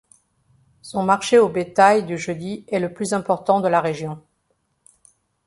Son marché au bétail du jeudi est le plus important de la région.